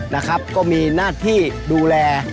นะครับก็มีหน้าที่ดูแล